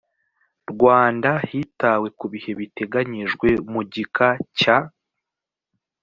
rwanda hitawe ku bihe biteganyijwe mu gika cya